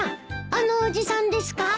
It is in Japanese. あのおじさんですか？